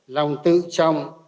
lòng tự trọng